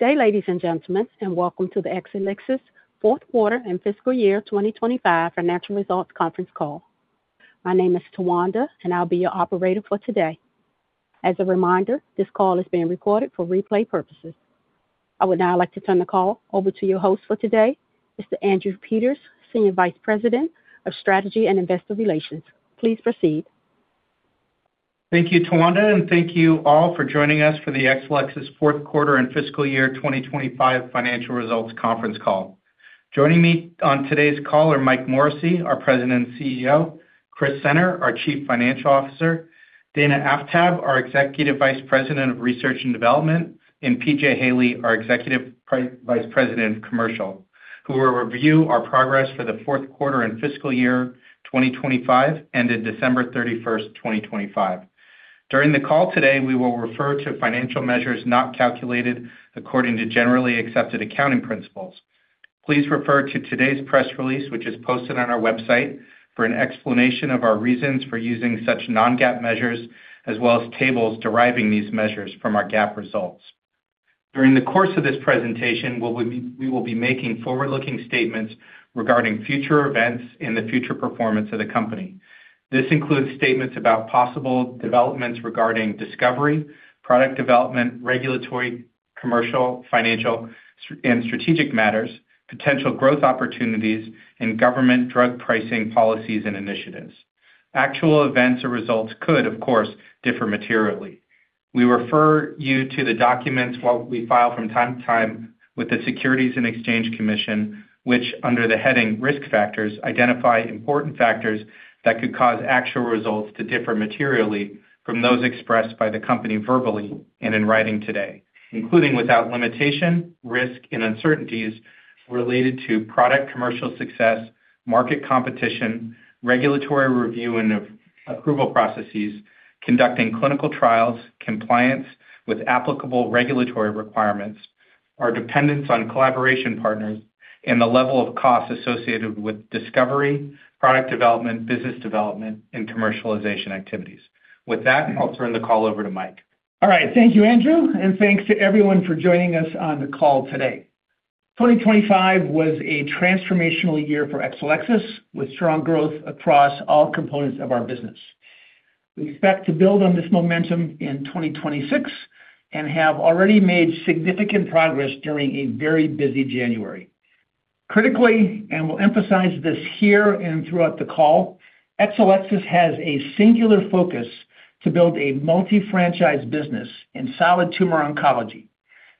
Good day, ladies and gentlemen, and welcome to the Exelixis Fourth Quarter and Fiscal Year 2025 Financial Results Conference Call. My name is Tawanda, and I'll be your operator for today. As a reminder, this call is being recorded for replay purposes. I would now like to turn the call over to your host for today, Mr. Andrew Peters, Senior Vice President of Strategy and Investor Relations. Please proceed. Thank you, Tawanda, and thank you all for joining us for the Exelixis Fourth Quarter and Fiscal Year 2025 Financial Results Conference Call. Joining me on today's call are Mike Morrissey, our President and CEO, Chris Senner, our Chief Financial Officer, Dana Aftab, our Executive Vice President of Research and Development, and P.J. Haley, our Executive Vice President of Commercial, who will review our progress for the fourth quarter and fiscal year 2025, ended 31st December 2025. During the call today, we will refer to financial measures not calculated according to generally accepted accounting principles. Please refer to today's press release, which is posted on our website, for an explanation of our reasons for using such non-GAAP measures, as well as tables deriving these measures from our GAAP results. During the course of this presentation, we will be making forward-looking statements regarding future events and the future performance of the company. This includes statements about possible developments regarding discovery, product development, regulatory, commercial, financial, and strategic matters, potential growth opportunities, and government drug pricing policies and initiatives. Actual events or results could, of course, differ materially. We refer you to the documents that we file from time to time with the Securities and Exchange Commission, which, under the heading Risk Factors, identify important factors that could cause actual results to differ materially from those expressed by the company verbally and in writing today, including, without limitation, risks and uncertainties related to product commercial success, market competition, regulatory review and approval processes, conducting clinical trials, compliance with applicable regulatory requirements, our dependence on collaboration partners, and the level of costs associated with discovery, product development, business development, and commercialization activities. With that, I'll turn the call over to Mike. All right. Thank you, Andrew, and thanks to everyone for joining us on the call today. 2025 was a transformational year for Exelixis, with strong growth across all components of our business. We expect to build on this momentum in 2026 and have already made significant progress during a very busy January. Critically, and we'll emphasize this here and throughout the call, Exelixis has a singular focus to build a multi-franchise business in solid tumor oncology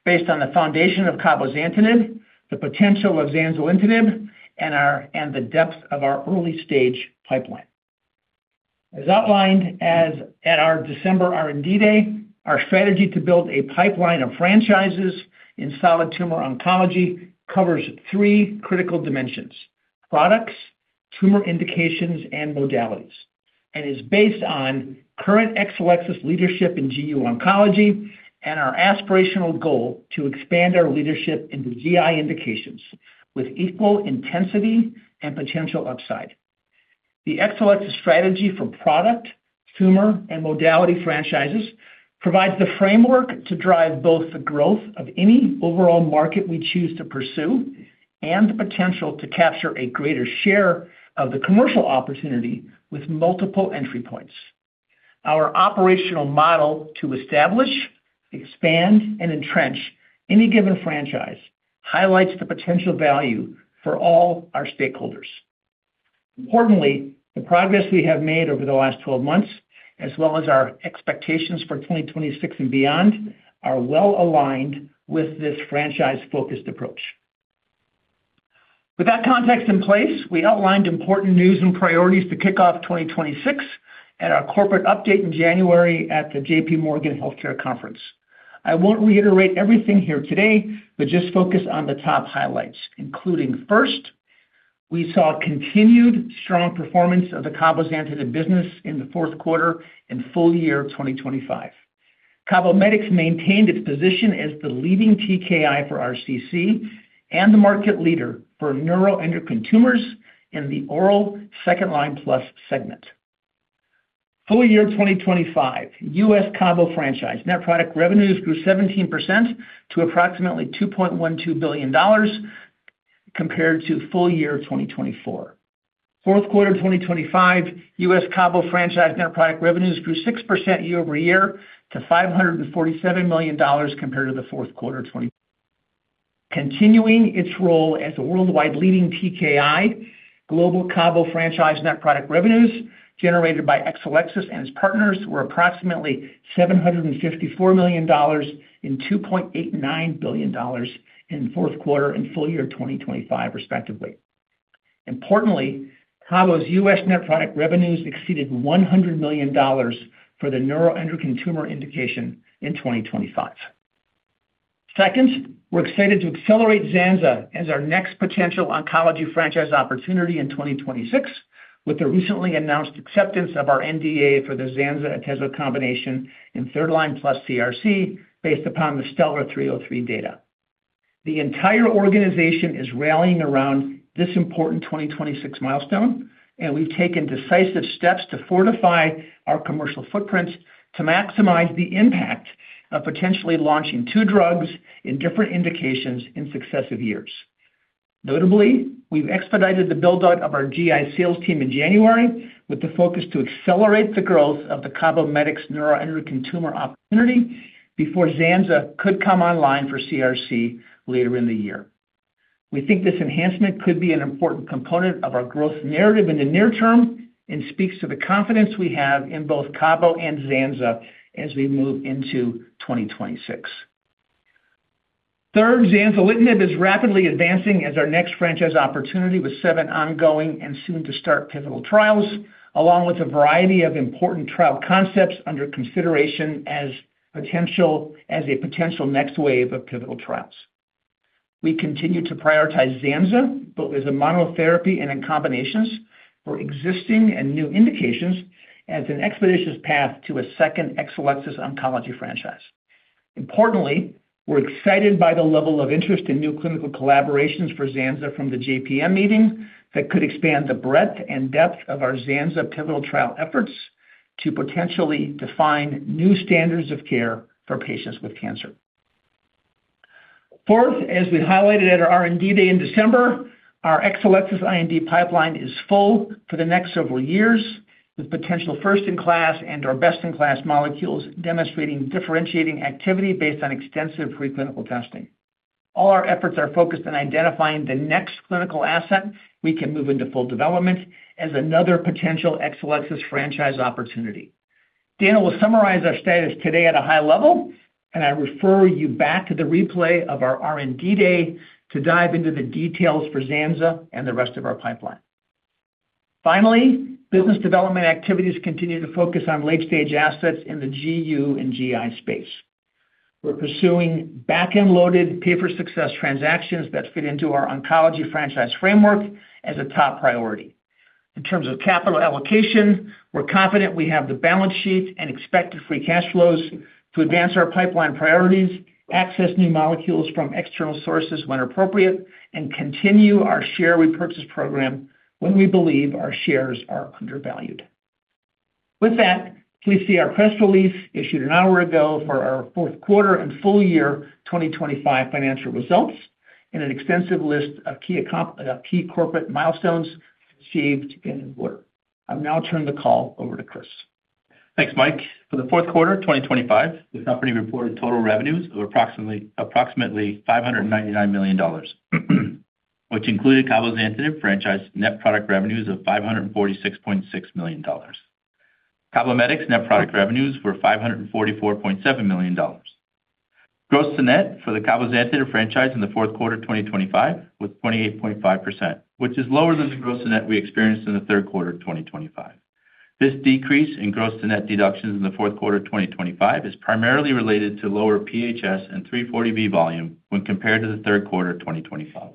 based on the foundation of cabozantinib, the potential of zanzalintinib, and the depth of our early-stage pipeline. As outlined at our December R&D Day, our strategy to build a pipeline of franchises in solid tumor oncology covers three critical dimensions: products, tumor indications, and modalities, and is based on current Exelixis leadership in GU oncology and our aspirational goal to expand our leadership into GI indications with equal intensity and potential upside. The Exelixis strategy for product, tumor, and modality franchises provides the framework to drive both the growth of any overall market we choose to pursue and the potential to capture a greater share of the commercial opportunity with multiple entry points. Our operational model to establish, expand, and entrench any given franchise highlights the potential value for all our stakeholders. Importantly, the progress we have made over the last 12 months, as well as our expectations for 2026 and beyond, are well aligned with this franchise-focused approach. With that context in place, we outlined important news and priorities to kick off 2026 at our corporate update in January at the J.P. Morgan Healthcare Conference. I won't reiterate everything here today, but just focus on the top highlights, including, first, we saw continued strong performance of the cabozantinib business in the fourth quarter and full year of 2025. CABOMETYX maintained its position as the leading TKI for RCC and the market leader for neuroendocrine tumors in the oral second-line-plus segment. Full year 2025, U.S CABO franchise net product revenues grew 17% to approximately $2.12 billion compared to full year 2024. Fourth quarter 2025, US CABO franchise net product revenues grew 6% year-over-year to $547 million compared to the fourth quarter of twenty... Continuing its role as the worldwide leading TKI, global CABO franchise net product revenues generated by Exelixis and its partners were approximately $754 million and $2.89 billion in the fourth quarter and full year 2025, respectively. Importantly, CABO's US net product revenues exceeded $100 million for the neuroendocrine tumor indication in 2025. Second, we're excited to accelerate ZANZA as our next potential oncology franchise opportunity in 2026, with the recently announced acceptance of our NDA for the ZANZA-ATEZO combination in third-line-plus CRC, based upon the STELLAR-303 data. The entire organization is rallying around this important 2026 milestone, and we've taken decisive steps to fortify our commercial footprints to maximize the impact of potentially launching two drugs in different indications in successive years. Notably, we've expedited the build-out of our GI sales team in January, with the focus to accelerate the growth of the CABOMETYX neuroendocrine tumor opportunity before ZANZA could come online for CRC later in the year. We think this enhancement could be an important component of our growth narrative in the near term and speaks to the confidence we have in both CABO and ZANZA as we move into 2026. Third, zanzalintinib is rapidly advancing as our next franchise opportunity, with seven ongoing and soon-to-start pivotal trials, along with a variety of important trial concepts under consideration as a potential next wave of pivotal trials. We continue to prioritize ZANZA, both as a monotherapy and in combinations for existing and new indications, as an expeditious path to a second Exelixis oncology franchise. Importantly, we're excited by the level of interest in new clinical collaborations for ZANZA from the JPM meeting that could expand the breadth and depth of our ZANZA pivotal trial efforts to potentially define new standards of care for patients with cancer. Fourth, as we highlighted at our R&D Day in December, our Exelixis IND pipeline is full for the next several years, with potential first-in-class and/or best-in-class molecules demonstrating differentiating activity based on extensive preclinical testing. All our efforts are focused on identifying the next clinical asset we can move into full development as another potential Exelixis franchise opportunity. Dana will summarize our status today at a high level, and I refer you back to the replay of our R&D Day to dive into the details for ZANZA and the rest of our pipeline. Finally, business development activities continue to focus on late-stage assets in the GU and GI space. We're pursuing back-end loaded pay-for-success transactions that fit into our oncology franchise framework as a top priority. In terms of capital allocation, we're confident we have the balance sheet and expected free cash flows to advance our pipeline priorities, access new molecules from external sources when appropriate, and continue our share repurchase program when we believe our shares are undervalued. With that, please see our press release, issued an hour ago for our fourth quarter and full year 2025 financial results, and an extensive list of key corporate milestones achieved in order. I'll now turn the call over to Chris. Thanks, Mike. For the fourth quarter of 2025, the company reported total revenues of approximately $599 million, which included cabozantinib franchise net product revenues of $546.6 million. CABOMETYX net product revenues were $544.7 million. Gross-to-net for the cabozantinib franchise in the fourth quarter of 2025 was 28.5%, which is lower than the gross-to-net we experienced in the third quarter of 2025. This decrease in gross-to-net deductions in the fourth quarter of 2025 is primarily related to lower PHS and 340B volume when compared to the third quarter of 2025.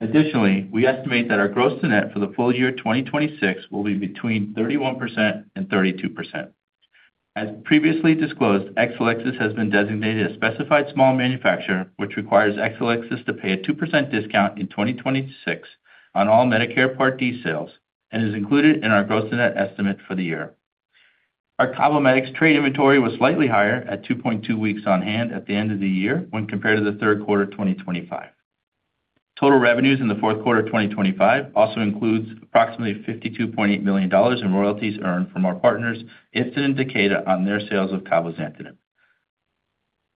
Additionally, we estimate that our gross-to-net for the full year 2026 will be between 31% and 32%. As previously disclosed, Exelixis has been designated a specified small manufacturer, which requires Exelixis to pay a 2% discount in 2026 on all Medicare Part D sales and is included in our gross-to-net estimate for the year. Our CABOMETYX trade inventory was slightly higher at 2.2 weeks on hand at the end of the year when compared to the third quarter of 2025. Total revenues in the fourth quarter of 2025 also includes approximately $52.8 million in royalties earned from our partners, Ipsen and Takeda, on their sales of cabozantinib.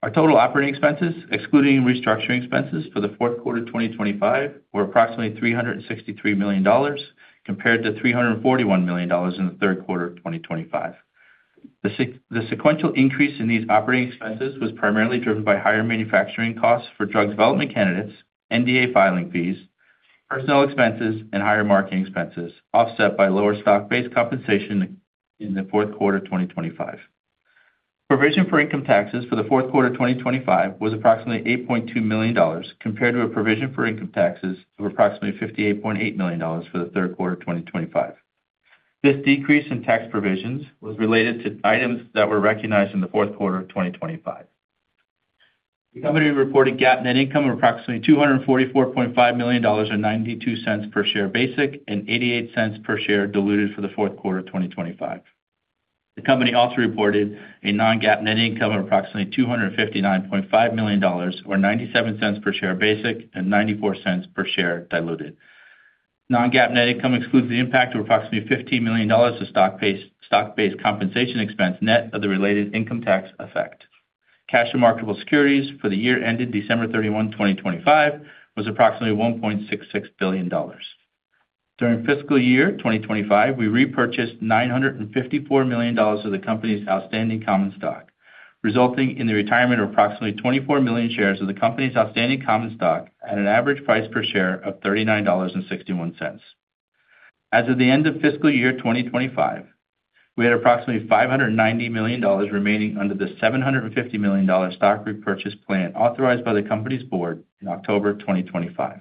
Our total operating expenses, excluding restructuring expenses for the fourth quarter of 2025, were approximately $363 million, compared to $341 million in the third quarter of 2025. The sequential increase in these operating expenses was primarily driven by higher manufacturing costs for drug development candidates, NDA filing fees, personnel expenses, and higher marketing expenses, offset by lower stock-based compensation in the fourth quarter of 2025. Provision for income taxes for the fourth quarter of 2025 was approximately $8.2 million, compared to a provision for income taxes of approximately $58.8 million for the third quarter of 2025. This decrease in tax provisions was related to items that were recognized in the fourth quarter of 2025. The company reported GAAP net income of approximately $244.5 million, or $0.92 per share basic, and $0.88 per share diluted for the fourth quarter of 2025. The company also reported a non-GAAP net income of approximately $259.5 million, or $0.97 per share basic, and $0.94 per share diluted. Non-GAAP net income excludes the impact of approximately $15 million of stock-based compensation expense net of the related income tax effect. Cash and marketable securities for the year ended December 31, 2025, was approximately $1.66 billion. During fiscal year 2025, we repurchased $954 million of the company's outstanding common stock, resulting in the retirement of approximately 24 million shares of the company's outstanding common stock at an average price per share of $39.61. As of the end of fiscal year 2025, we had approximately $590 million remaining under the $750 million stock repurchase plan authorized by the company's board in October 2025.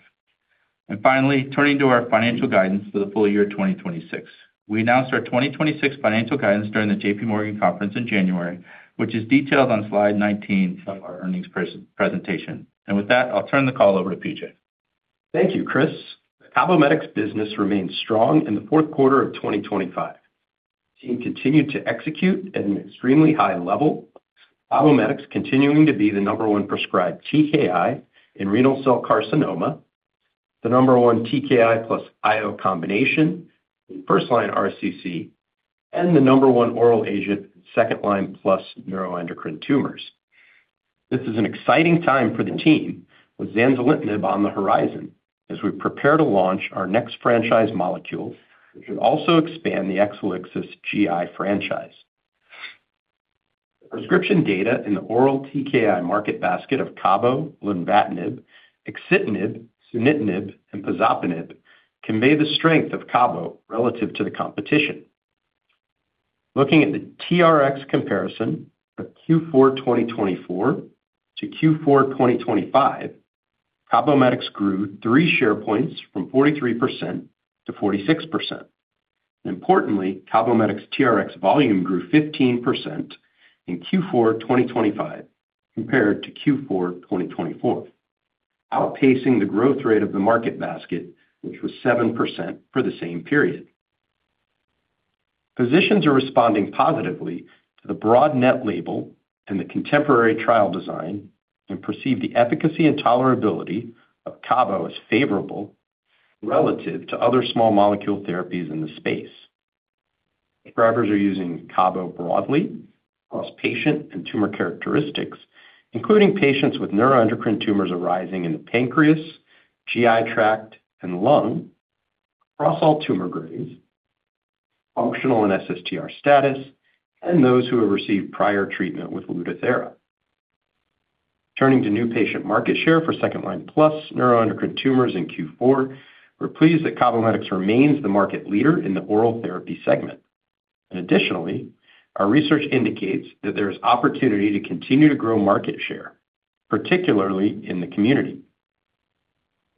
And finally, turning to our financial guidance for the full year 2026. We announced our 2026 financial guidance during the J.P. Morgan conference in January, which is detailed on slide 19 of our earnings presentation. And with that, I'll turn the call over to P.J. Thank you, Chris. CABOMETYX business remains strong in the fourth quarter of 2025. Team continued to execute at an extremely high level, CABOMETYX continuing to be the number one prescribed TKI in renal cell carcinoma, the number one TKI plus IO combination in first-line RCC, and the number one oral agent second line plus neuroendocrine tumors. This is an exciting time for the team with zanzalintinib on the horizon as we prepare to launch our next franchise molecule, which will also expand the Exelixis GI franchise. Prescription data in the oral TKI market basket of CABO, lenvatinib, axitinib, sunitinib, and pazopanib convey the strength of CABO relative to the competition. Looking at the TRX comparison for Q4 2024 to Q4 2025, CABOMETYX grew 3 share points from 43% to 46%. Importantly, CABOMETYX TRX volume grew 15% in Q4 2025 compared to Q4 2024, outpacing the growth rate of the market basket, which was 7% for the same period. Physicians are responding positively to the broad net label and the contemporary trial design, and perceive the efficacy and tolerability of CABO as favorable relative to other small molecule therapies in the space. Prescribers are using CABO broadly across patient and tumor characteristics, including patients with neuroendocrine tumors arising in the pancreas, GI tract, and lung, across all tumor grades, functional and SSTR status, and those who have received prior treatment with Lutathera. Turning to new patient market share for second-line plus neuroendocrine tumors in Q4, we're pleased that CABOMETYX remains the market leader in the oral therapy segment. And additionally, our research indicates that there is opportunity to continue to grow market share, particularly in the community.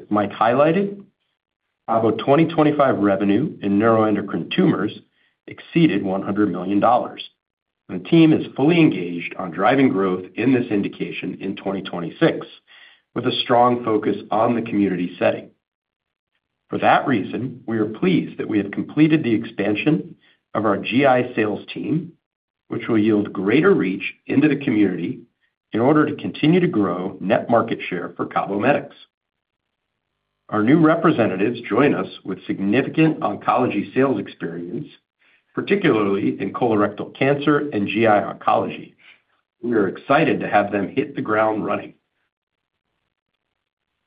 As Mike highlighted, CABO 2025 revenue in neuroendocrine tumors exceeded $100 million. The team is fully engaged on driving growth in this indication in 2026, with a strong focus on the community setting. For that reason, we are pleased that we have completed the expansion of our GI sales team, which will yield greater reach into the community in order to continue to grow net market share for CABOMETYX. Our new representatives join us with significant oncology sales experience, particularly in colorectal cancer and GI oncology. We are excited to have them hit the ground running.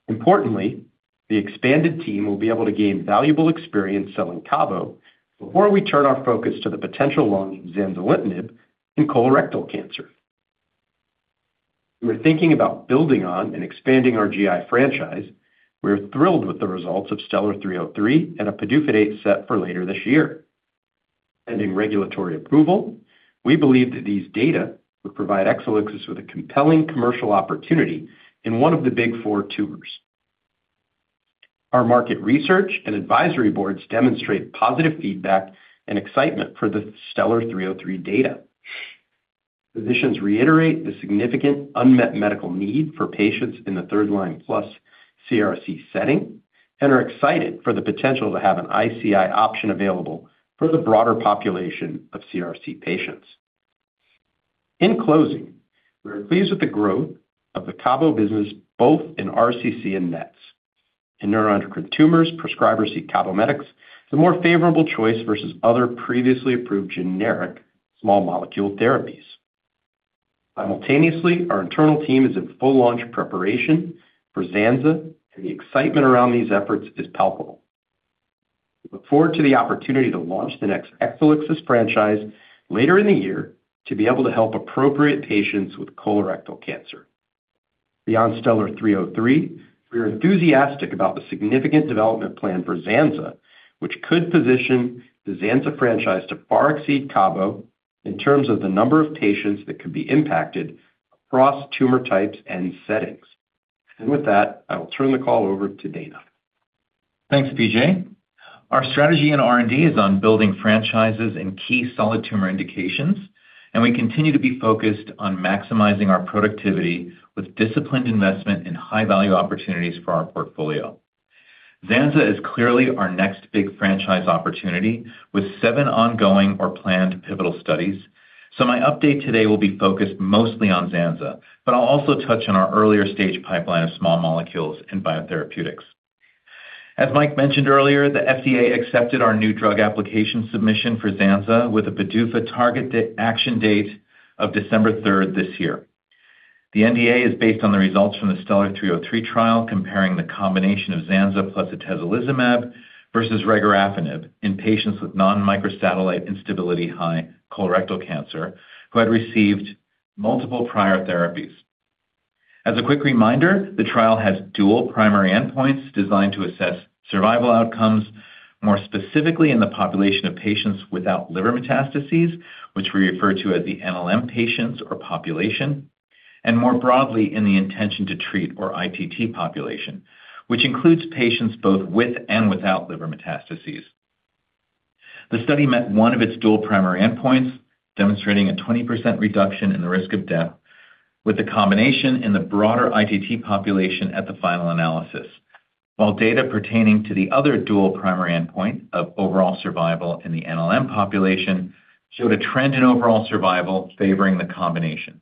Importantly, the expanded team will be able to gain valuable experience selling CABO before we turn our focus to the potential launch of zanzalintinib in colorectal cancer. We're thinking about building on and expanding our GI franchise. We're thrilled with the results of STELLAR-303 and a PDUFA date set for later this year. Pending regulatory approval, we believe that these data will provide Exelixis with a compelling commercial opportunity in one of the big four tumors. Our market research and advisory boards demonstrate positive feedback and excitement for the STELLAR-303 data. Physicians reiterate the significant unmet medical need for patients in the third line plus CRC setting and are excited for the potential to have an ICI option available for the broader population of CRC patients. In closing, we are pleased with the growth of the CABO business, both in RCC and NETs. In neuroendocrine tumors, prescribers see CABOMETYX, the more favorable choice versus other previously approved generic small molecule therapies. Simultaneously, our internal team is in full launch preparation for ZANZA, and the excitement around these efforts is palpable. We look forward to the opportunity to launch the next Exelixis franchise later in the year to be able to help appropriate patients with colorectal cancer. Beyond STELLAR-303, we are enthusiastic about the significant development plan for ZANZA, which could position the ZANZA franchise to far exceed CABO in terms of the number of patients that could be impacted across tumor types and settings. With that, I will turn the call over to Dana. Thanks, P.J. Our strategy in R&D is on building franchises in key solid tumor indications, and we continue to be focused on maximizing our productivity with disciplined investment in high-value opportunities for our portfolio. zanzalintinib is clearly our next big franchise opportunity, with seven ongoing or planned pivotal studies. So my update today will be focused mostly on zanzalintinib, but I'll also touch on our earlier stage pipeline of small molecules and biotherapeutics. As Mike mentioned earlier, the FDA accepted our new drug application submission for zanzalintinib with a PDUFA target action date of 3rd December this year. The NDA is based on the results from the STELLAR-303 trial, comparing the combination of zanzalintinib plus atezolizumab versus regorafenib in patients with non-microsatellite instability-high colorectal cancer, who had received multiple prior therapies. As a quick reminder, the trial has dual primary endpoints designed to assess survival outcomes... More specifically, in the population of patients without liver metastases, which we refer to as the NLM patients or population, and more broadly, in the intention to treat or ITT population, which includes patients both with and without liver metastases. The study met one of its dual primary endpoints, demonstrating a 20% reduction in the risk of death, with the combination in the broader ITT population at the final analysis. While data pertaining to the other dual primary endpoint of overall survival in the NLM population showed a trend in overall survival favoring the combination.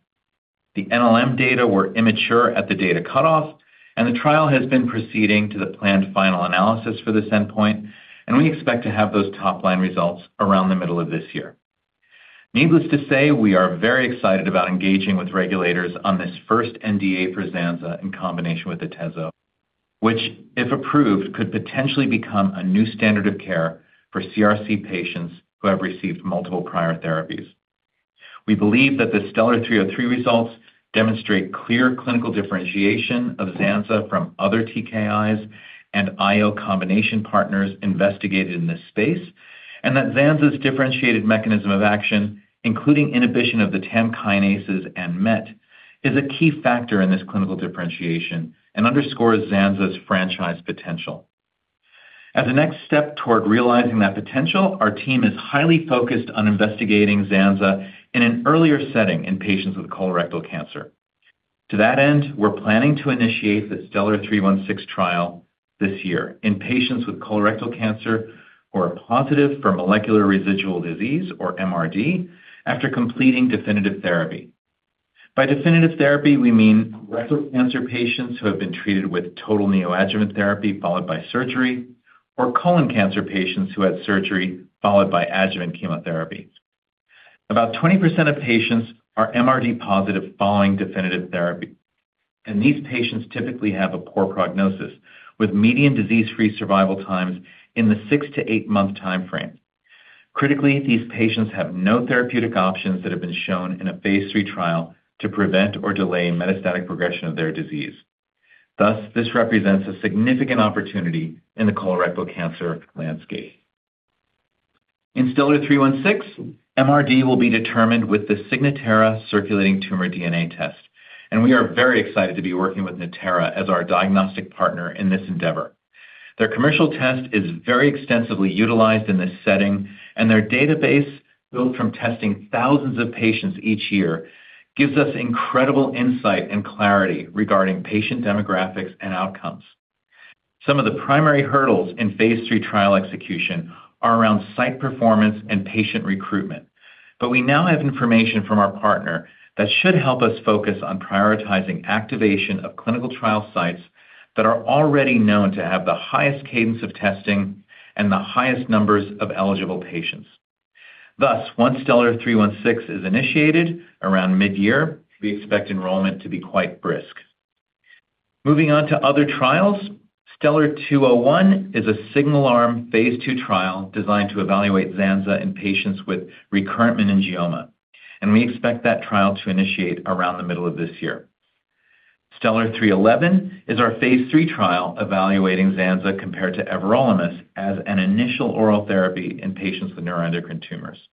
The NLM data were immature at the data cutoff, and the trial has been proceeding to the planned final analysis for this endpoint, and we expect to have those top-line results around the middle of this year. Needless to say, we are very excited about engaging with regulators on this first NDA for zanzalintinib in combination with atezolizumab, which, if approved, could potentially become a new standard of care for CRC patients who have received multiple prior therapies. We believe that the STELLAR-303 results demonstrate clear clinical differentiation of zanzalintinib from other TKIs and IO combination partners investigated in this space, and that zanzalintinib's differentiated mechanism of action, including inhibition of the TAM kinases and MET, is a key factor in this clinical differentiation and underscores zanzalintinib's franchise potential. As a next step toward realizing that potential, our team is highly focused on investigating zanzalintinib in an earlier setting in patients with colorectal cancer. To that end, we're planning to initiate the STELLAR-316 trial this year in patients with colorectal cancer who are positive for molecular residual disease, or MRD, after completing definitive therapy. By definitive therapy, we mean rectal cancer patients who have been treated with total neoadjuvant therapy followed by surgery, or colon cancer patients who had surgery followed by adjuvant chemotherapy. About 20% of patients are MRD positive following definitive therapy, and these patients typically have a poor prognosis, with median disease-free survival times in the 6-8 month timeframe. Critically, these patients have no therapeutic options that have been shown in a phase III trial to prevent or delay metastatic progression of their disease. Thus, this represents a significant opportunity in the colorectal cancer landscape. In STELLAR-316, MRD will be determined with the Signatera circulating tumor DNA test, and we are very excited to be working with Natera as our diagnostic partner in this endeavor. Their commercial test is very extensively utilized in this setting, and their database, built from testing thousands of patients each year, gives us incredible insight and clarity regarding patient demographics and outcomes. Some of the primary hurdles in phase III trial execution are around site performance and patient recruitment. But we now have information from our partner that should help us focus on prioritizing activation of clinical trial sites that are already known to have the highest cadence of testing and the highest numbers of eligible patients. Thus, once STELLAR-316 is initiated around mid-year, we expect enrollment to be quite brisk. Moving on to other trials, STELLAR-201 is a single arm phase II trial designed to evaluate zanzalintinib in patients with recurrent meningioma, and we expect that trial to initiate around the middle of this year. STELLAR-311 is our phase III trial evaluating zanza compared to everolimus as an initial oral therapy in patients with neuroendocrine tumors.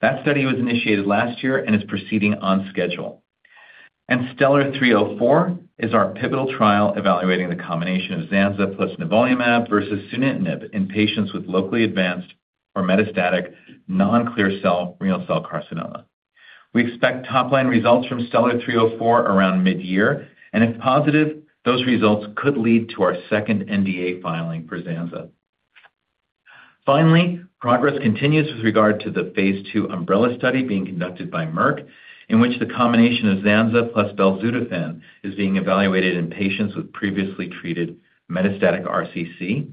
That study was initiated last year and is proceeding on schedule. STELLAR-304 is our pivotal trial evaluating the combination of zanza plus nivolumab versus sunitinib in patients with locally advanced or metastatic non-clear cell renal cell carcinoma. We expect top-line results from STELLAR-304 around mid-year, and if positive, those results could lead to our second NDA filing for zanza. Finally, progress continues with regard to the phase II umbrella study being conducted by Merck, in which the combination of zanza plus belzutifan is being evaluated in patients with previously treated metastatic RCC,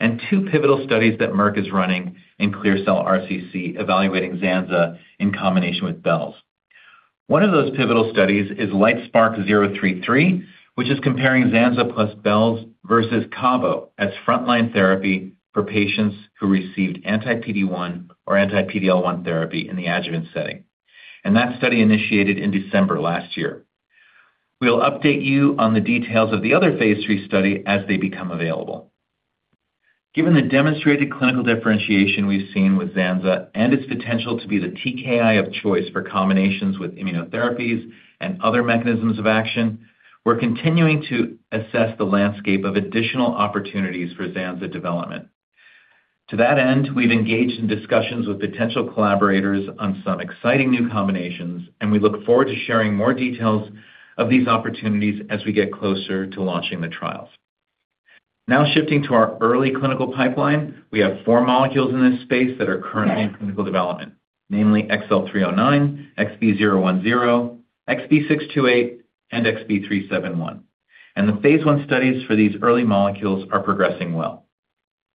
and two pivotal studies that Merck is running in clear cell RCC, evaluating zanza in combination with belz. One of those pivotal studies is LITESPARK-033, which is comparing Zanza plus Belz versus CABO as frontline therapy for patients who received anti-PD1 or anti-PD-L1 therapy in the adjuvant setting. That study initiated in December last year. We'll update you on the details of the other phase III study as they become available. Given the demonstrated clinical differentiation we've seen with Zanza and its potential to be the TKI of choice for combinations with immunotherapies and other mechanisms of action, we're continuing to assess the landscape of additional opportunities for Zanza development. To that end, we've engaged in discussions with potential collaborators on some exciting new combinations, and we look forward to sharing more details of these opportunities as we get closer to launching the trials. Now, shifting to our early clinical pipeline, we have four molecules in this space that are currently in clinical development, namely XL-309, XB-010, XB-628, and XB-371, and the phase I studies for these early molecules are progressing well.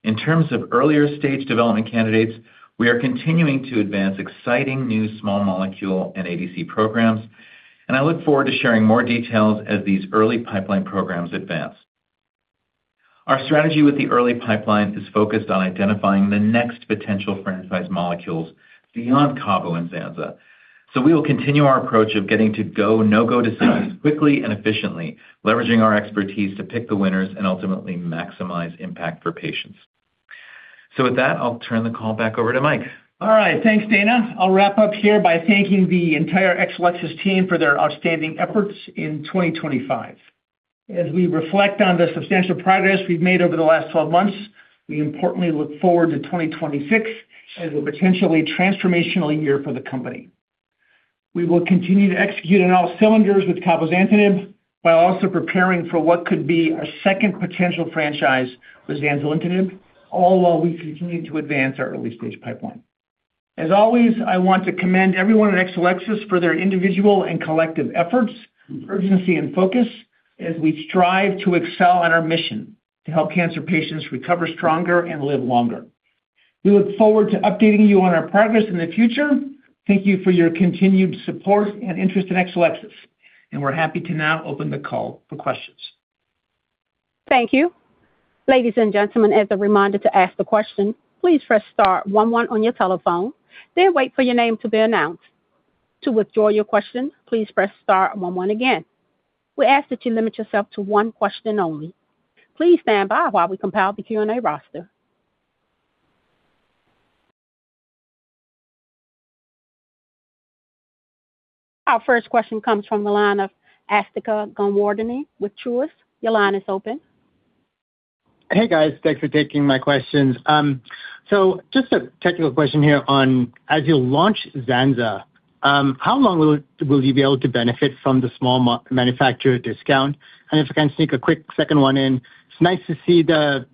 In terms of earlier stage development candidates, we are continuing to advance exciting new small molecule and ADC programs, and I look forward to sharing more details as these early pipeline programs advance. Our strategy with the early pipeline is focused on identifying the next potential franchise molecules beyond CABO and Zanza. So we will continue our approach of getting to go, no-go decisions quickly and efficiently, leveraging our expertise to pick the winners and ultimately maximize impact for patients.... So with that, I'll turn the call back over to Mike. All right, thanks, Dana. I'll wrap up here by thanking the entire Exelixis team for their outstanding efforts in 2025. As we reflect on the substantial progress we've made over the last 12 months, we importantly look forward to 2026 as a potentially transformational year for the company. We will continue to execute on all cylinders with cabozantinib, while also preparing for what could be a second potential franchise with zanzalintinib, all while we continue to advance our early-stage pipeline. As always, I want to commend everyone at Exelixis for their individual and collective efforts, urgency, and focus as we strive to excel on our mission: to help cancer patients recover stronger and live longer. We look forward to updating you on our progress in the future. Thank you for your continued support and interest in Exelixis, and we're happy to now open the call for questions. Thank you. Ladies and gentlemen, as a reminder to ask a question, please press star one one on your telephone, then wait for your name to be announced. To withdraw your question, please press star one one again. We ask that you limit yourself to one question only. Please stand by while we compile the Q&A roster. Our first question comes from the line of Asthika Goonewardene with Truist Securities. Your line is open. Hey, guys. Thanks for taking my questions. So just a technical question here on as you launch Zanza, how long will you be able to benefit from the small manufacturer discount? And if I can sneak a quick second one in, it's nice to see the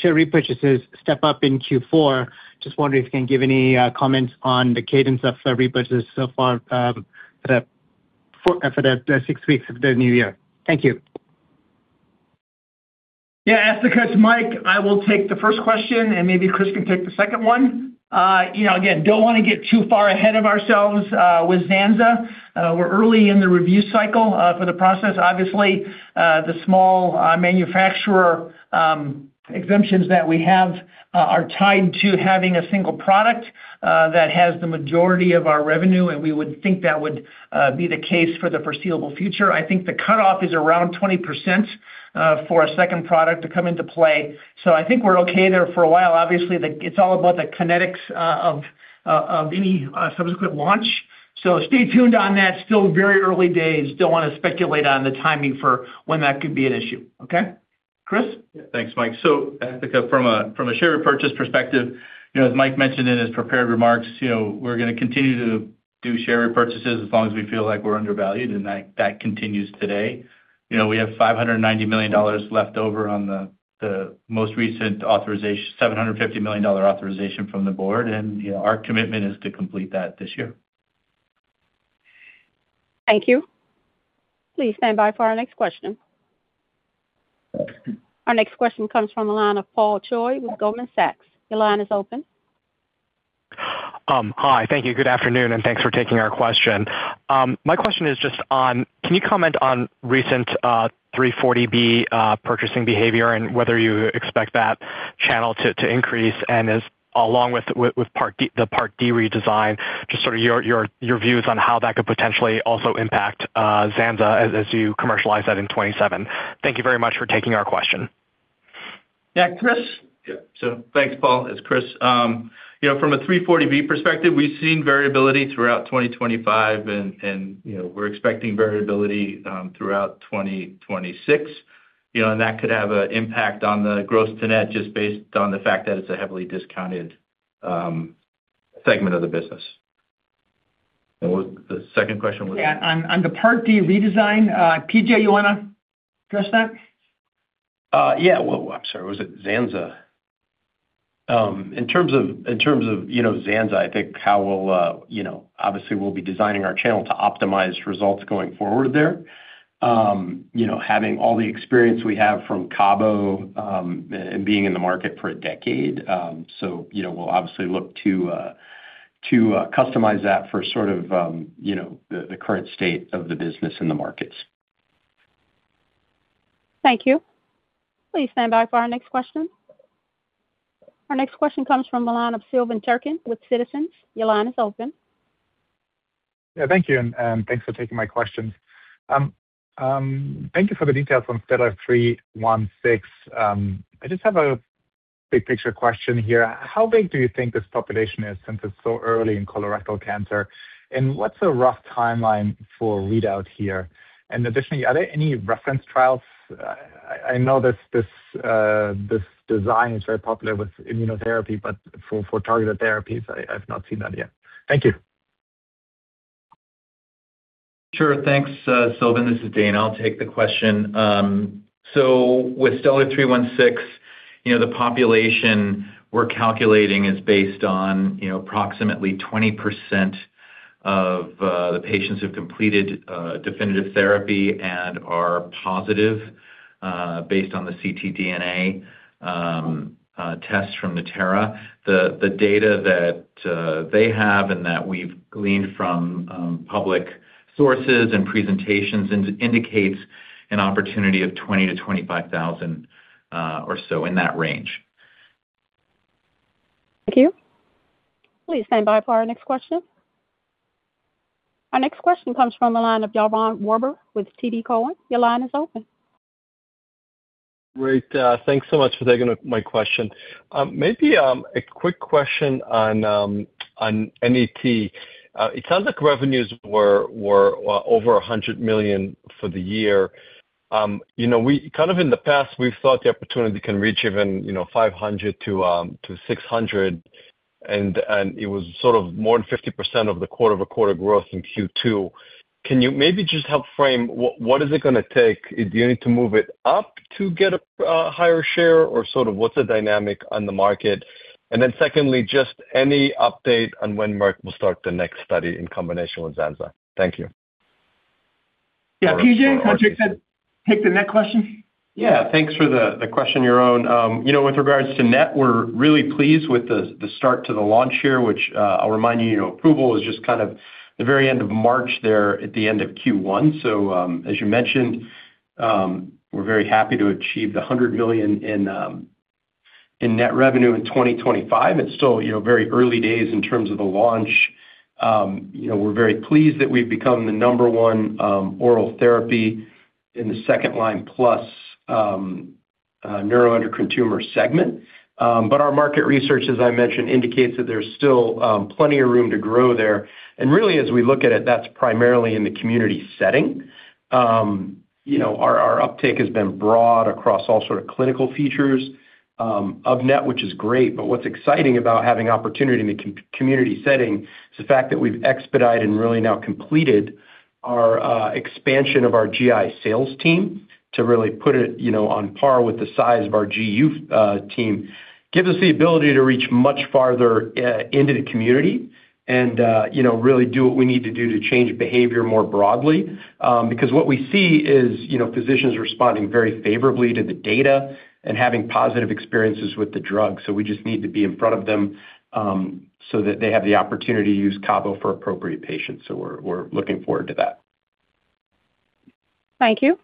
share repurchases step up in Q4. Just wondering if you can give any comments on the cadence of the repurchases so far for the six weeks of the new year. Thank you. Yeah, Asthika, it's Mike. I will take the first question, and maybe Chris can take the second one. You know, again, don't wanna get too far ahead of ourselves with zanzalintinib. We're early in the review cycle for the process. Obviously, the small manufacturer exemptions that we have are tied to having a single product that has the majority of our revenue, and we would think that would be the case for the foreseeable future. I think the cutoff is around 20% for a second product to come into play. So I think we're okay there for a while. Obviously, it's all about the kinetics of any subsequent launch. So stay tuned on that. Still very early days. Don't wanna speculate on the timing for when that could be an issue, okay? Chris? Yeah. Thanks, Mike. So Asthika, from a share repurchase perspective, you know, as Mike mentioned in his prepared remarks, you know, we're gonna continue to do share repurchases as long as we feel like we're undervalued, and that, that continues today. You know, we have $590 million left over on the most recent authorization, $750 million dollar authorization from the board, and, you know, our commitment is to complete that this year. Thank you. Please stand by for our next question. Our next question comes from the line of Paul Choi with Goldman Sachs. Your line is open. Hi. Thank you, good afternoon, and thanks for taking our question. My question is just on, can you comment on recent 340B purchasing behavior and whether you expect that channel to increase? And along with Part D, the Part D redesign, just sort of your views on how that could potentially also impact Zanza as you commercialize that in 2027. Thank you very much for taking our question. Yeah, Chris? Yeah. So thanks, Paul. It's Chris. You know, from a 340B perspective, we've seen variability throughout 2025 and, you know, we're expecting variability throughout 2026. You know, and that could have an impact on the gross to net just based on the fact that it's a heavily discounted segment of the business. And what the second question was? Yeah, on the Part D redesign, P.J., you wanna address that? Yeah. Well, I'm sorry, was it Zanza? In terms of, you know, Zanza, I think how we'll, you know, obviously we'll be designing our channel to optimize results going forward there. You know, having all the experience we have from Cabo, and being in the market for a decade. So, you know, we'll obviously look to customize that for sort of, you know, the current state of the business in the markets. Thank you. Please stand by for our next question. Our next question comes from the line of Silvan Tuerkcan with Citizens. Your line is open. Yeah, thank you, and thanks for taking my questions. Thank you for the details on STELLAR-316. I just have a big picture question here. How big do you think this population is, since it's so early in colorectal cancer? And what's a rough timeline for readout here? And additionally, are there any reference trials? I know this design is very popular with immunotherapy, but for targeted therapies, I've not seen that yet. Thank you. Sure. Thanks, Silvan. This is Dana. I'll take the question. So with STELLAR-316, you know, the population we're calculating is based on, you know, approximately 20% of the patients who've completed definitive therapy and are positive based on the ctDNA test from Natera. The data that they have and that we've gleaned from public sources and presentations indicates an opportunity of 20,000-25,000 or so, in that range. Thank you. Please stand by for our next question. Our next question comes from the line of Yaron Werber with TD Cowen. Your line is open. Great, thanks so much for taking my question. Maybe a quick question on NET. It sounds like revenues were over $100 million for the year. You know, in the past, we've thought the opportunity can reach even, you know, $500 million-$600 million, and it was sort of more than 50% of the quarter-over-quarter growth in Q2. Can you maybe just help frame what is it gonna take? Do you need to move it up to get a higher share, or sort of what's the dynamic on the market? And then secondly, just any update on when Merck will start the next study in combination with Zanza. Thank you. Yeah, P.J., want to take the next question? Yeah, thanks for the question, Yaron. You know, with regards to NET, we're really pleased with the start to the launch here, which, I'll remind you, you know, approval is just kind of the very end of March there at the end of Q1. So, as you mentioned, we're very happy to achieve $100 million in net revenue in 2025. It's still, you know, very early days in terms of the launch. You know, we're very pleased that we've become the number one oral therapy in the second-line plus neuroendocrine tumor segment. But our market research, as I mentioned, indicates that there's still plenty of room to grow there. And really, as we look at it, that's primarily in the community setting. You know, our uptake has been broad across all sort of clinical features of NET, which is great. But what's exciting about having opportunity in the community setting is the fact that we've expedited and really now completed our expansion of our GI sales team to really put it, you know, on par with the size of our GU team. Gives us the ability to reach much farther into the community and, you know, really do what we need to do to change behavior more broadly. Because what we see is, you know, physicians responding very favorably to the data and having positive experiences with the drug. So we just need to be in front of them so that they have the opportunity to use CABO for appropriate patients. So we're looking forward to that. Thank you.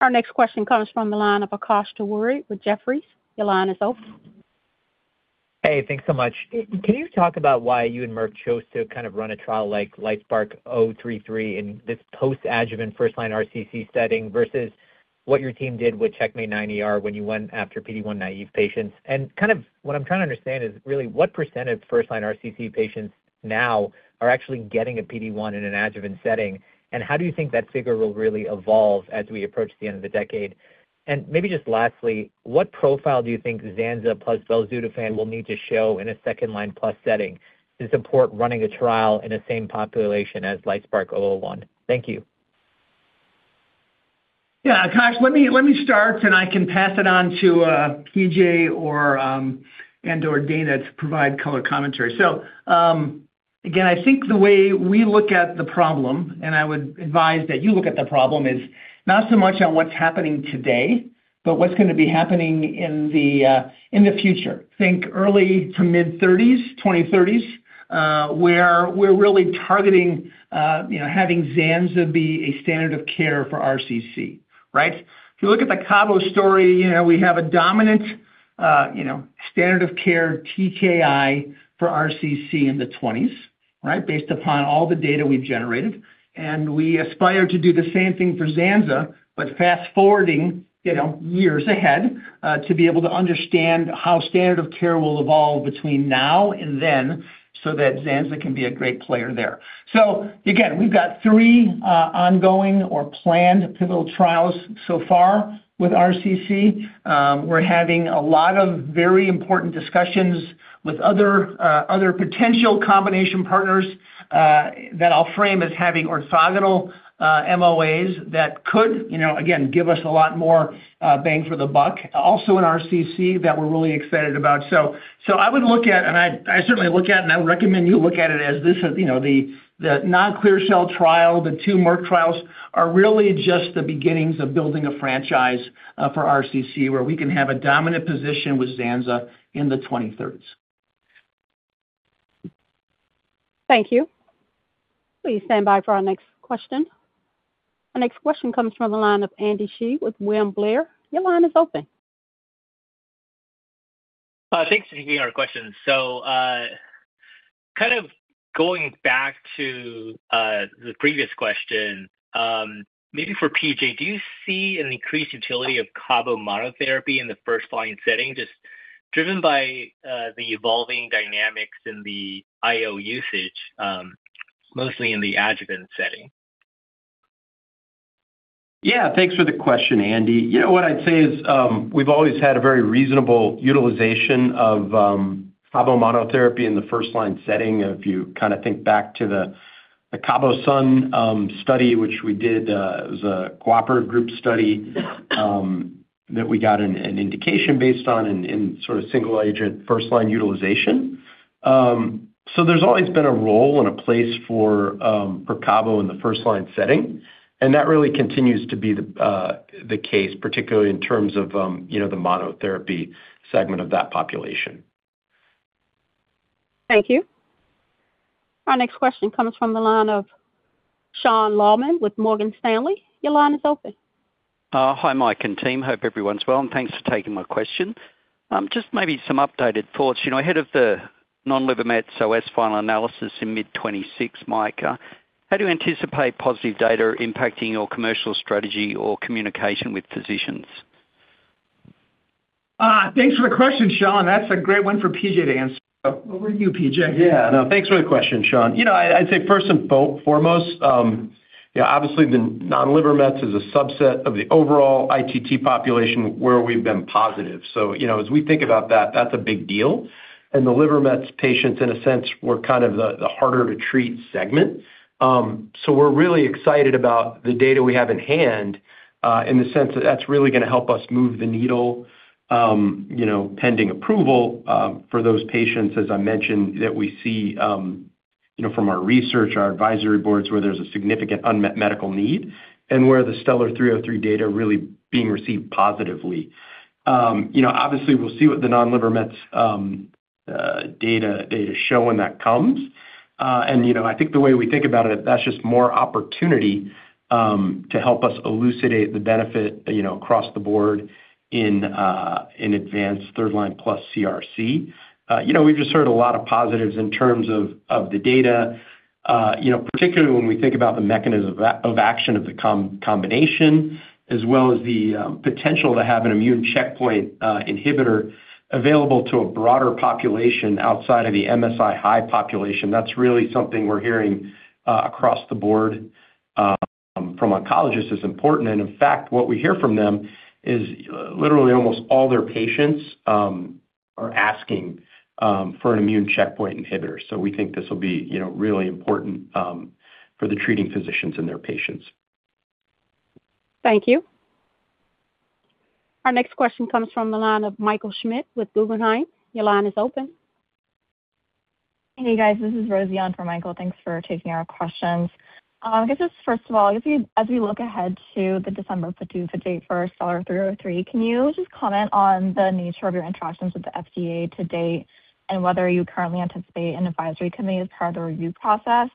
Our next question comes from the line of Aakash Tewari with Jefferies. Your line is open. Hey, thanks so much. Can you talk about why you and Merck chose to kind of run a trial like LITESPARK-033 in this post-adjuvant first-line RCC setting versus what your team did with CheckMate-9ER when you went after PD-1 naive patients? And kind of what I'm trying to understand is really what percent of first-line RCC patients now are actually getting a PD-1 in an adjuvant setting, and how do you think that figure will really evolve as we approach the end of the decade? And maybe just lastly, what profile do you think ZANZA plus belzutifan will need to show in a second-line plus setting to support running a trial in the same population as LITESPARK-001? Thank you. Yeah, Aakash, let me, let me start, and I can pass it on to P.J. or and/or Dana to provide color commentary. So, again, I think the way we look at the problem, and I would advise that you look at the problem, is not so much on what's happening today, but what's gonna be happening in the future. Think early to mid 2030s, 2030s, where we're really targeting, you know, having Zanza be a standard of care for RCC, right? If you look at the CABO story, you know, we have a dominant, you know, standard of care TKI for RCC in the 2020s, right? Based upon all the data we've generated. And we aspire to do the same thing for Zanza, but fast-forwarding, you know, years ahead, to be able to understand how standard of care will evolve between now and then, so that Zanza can be a great player there. So again, we've got three ongoing or planned pivotal trials so far with RCC. We're having a lot of very important discussions with other other potential combination partners that I'll frame as having orthogonal MOAs that could, you know, again, give us a lot more bang for the buck, also in RCC, that we're really excited about. So I would look at, and I certainly look at, and I would recommend you look at it as this is, you know, the non-clear cell trial, the two Merck trials, are really just the beginnings of building a franchise for RCC, where we can have a dominant position with zanzalintinib in the 2030s. Thank you. Please stand by for our next question. Our next question comes from the line of Andy Hsieh with William Blair. Your line is open. Thanks for taking our question. So, kind of going back to the previous question, maybe for PJ, do you see an increased utility of CABO monotherapy in the first-line setting, just driven by the evolving dynamics in the IO usage, mostly in the adjuvant setting? Yeah, thanks for the question, Andy. You know, what I'd say is, we've always had a very reasonable utilization of CABO monotherapy in the first-line setting. If you kind of think back to the CABOSUN study, which we did, it was a cooperative group study that we got an indication based on in sort of single agent first-line utilization. So there's always been a role and a place for CABO in the first-line setting, and that really continues to be the case, particularly in terms of, you know, the monotherapy segment of that population. Thank you. Our next question comes from the line of Sean Laaman with Morgan Stanley. Your line is open. Hi, Mike and team. Hope everyone's well, and thanks for taking my question. Just maybe some updated thoughts. You know, ahead of the non-liver Mets OS final analysis in mid-2026, Mike, how do you anticipate positive data impacting your commercial strategy or communication with physicians? Thanks for the question, Sean. That's a great one for P.J. to answer. Over to you, P.J. Yeah. No, thanks for the question, Sean. You know, I'd say first and foremost, you know, obviously, the non-liver Mets is a subset of the overall ITT population where we've been positive. So, you know, as we think about that, that's a big deal. And the liver Mets patients, in a sense, were kind of the harder-to-treat segment. So we're really excited about the data we have in hand, in the sense that that's really gonna help us move the needle, you know, pending approval, for those patients, as I mentioned, that we see, you know, from our research, our advisory boards, where there's a significant unmet medical need and where the STELLAR-303 data are really being received positively. You know, obviously, we'll see what the non-liver Mets data show when that comes. And, you know, I think the way we think about it, that's just more opportunity to help us elucidate the benefit, you know, across the board in advanced third-line plus CRC. You know, we've just heard a lot of positives in terms of the data, you know, particularly when we think about the mechanism of action of the combination, as well as the potential to have an immune checkpoint inhibitor available to a broader population outside of the MSI-H population. That's really something we're hearing across the board from oncologists as important. And in fact, what we hear from them is literally almost all their patients are asking for an immune checkpoint inhibitor. So we think this will be, you know, really important for the treating physicians and their patients. Thank you. Our next question comes from the line of Michael Schmidt with Guggenheim. Your line is open. Hey, guys, this is Rosie on for Michael. Thanks for taking our questions. I guess just first of all, as you, as we look ahead to the 25th December date for STELLAR-303, can you just comment on the nature of your interactions with the FDA to date, and whether you currently anticipate an advisory committee as part of the review process?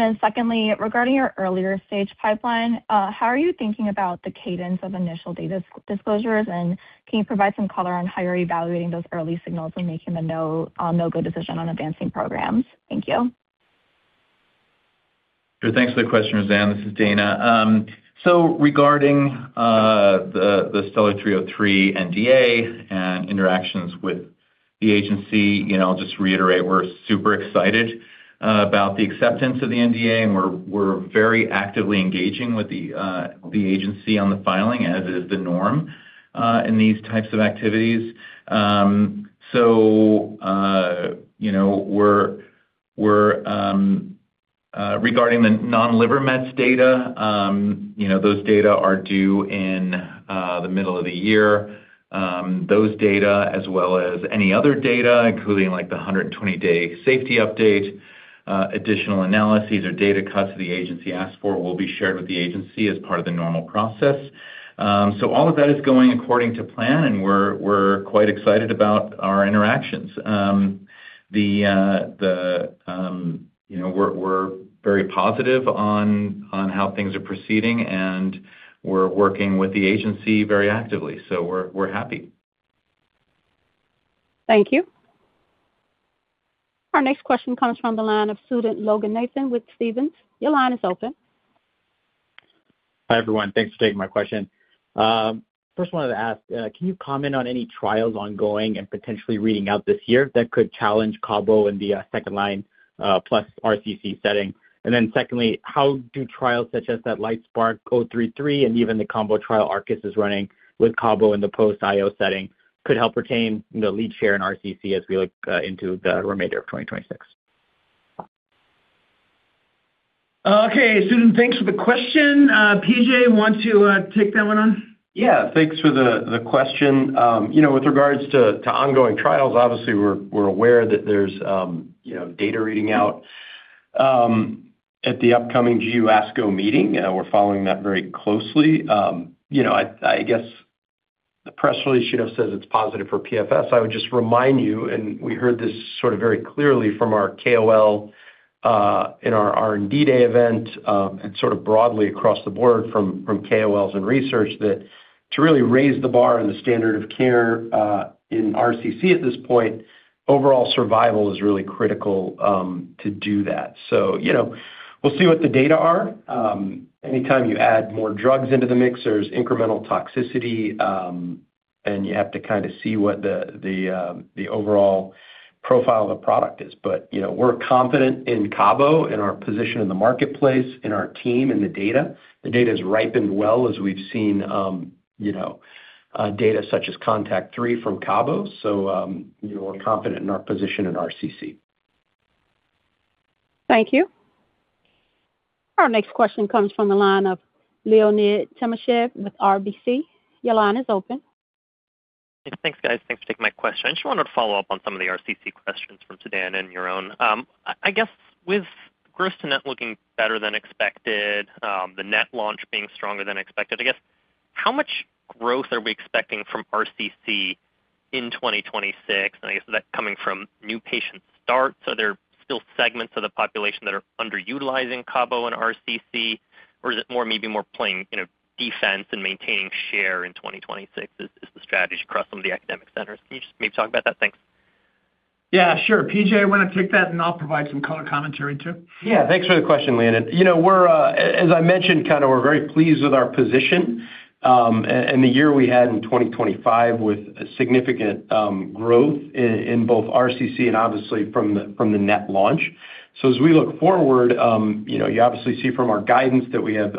Then secondly, regarding your earlier stage pipeline, how are you thinking about the cadence of initial data disclosures, and can you provide some color on how you're evaluating those early signals and making a no-go decision on advancing programs? Thank you. Sure. Thanks for the question, Rosie. This is Dana. So regarding the STELLAR-303 NDA and interactions with the agency, you know, I'll just reiterate, we're super excited about the acceptance of the NDA, and we're very actively engaging with the agency on the filing, as is the norm in these types of activities. So, regarding the non-liver mets data, you know, those data are due in the middle of the year. Those data, as well as any other data, including, like, the 120 day safety update, additional analyses or data cuts the agency asks for, will be shared with the agency as part of the normal process. So all of that is going according to plan, and we're quite excited about our interactions. You know, we're very positive on how things are proceeding, and we're working with the agency very actively, so we're happy. Thank you. Our next question comes from the line of Sudan Loganathan with Stephens. Your line is open. Hi, everyone. Thanks for taking my question. First I wanted to ask, can you comment on any trials ongoing and potentially reading out this year that could challenge CABO in the second-line plus RCC setting? And then secondly, how do trials such as the LITESPARK-303 and even the combo trial Arcus is running with CABO in the post IO setting could help retain the lead share in RCC as we look into the remainder of 2026? Okay, Sudan, thanks for the question. P.J., want to take that one on? Yeah, thanks for the question. You know, with regards to ongoing trials, obviously, we're aware that there's you know, data reading out at the upcoming GU ASCO meeting, and we're following that very closely. You know, I guess the press release you know, says it's positive for PFS. I would just remind you, and we heard this sort of very clearly from our KOL in our R&D day event, and sort of broadly across the board from KOLs and research, that to really raise the bar in the standard of care in RCC at this point, overall survival is really critical to do that. So, you know, we'll see what the data are. Anytime you add more drugs into the mix, there's incremental toxicity, and you have to kind of see what the overall profile of the product is. But, you know, we're confident in CABO and our position in the marketplace, in our team, and the data. The data has ripened well, as we've seen, you know, data such as CONTACT-03 from CABO. So, you know, we're confident in our position in RCC. Thank you. Our next question comes from the line of Leonid Timashev with RBC. Your line is open. Thanks, guys. Thanks for taking my question. I just wanted to follow up on some of the RCC questions from Sudan and your own. I guess with gross net looking better than expected, the net launch being stronger than expected, I guess-... How much growth are we expecting from RCC in 2026? And I guess, is that coming from new patient starts? Are there still segments of the population that are underutilizing CABO in RCC, or is it more, maybe more playing, you know, defense and maintaining share in 2026 as, as the strategy across some of the academic centers? Can you just maybe talk about that? Thanks. Yeah, sure. P.J., you want to take that, and I'll provide some color commentary too? Yeah, thanks for the question, Leonid. You know, we're, as I mentioned, kind of we're very pleased with our position, and the year we had in 2025, with significant growth in both RCC and obviously from the NET launch. So as we look forward, you know, you obviously see from our guidance that we have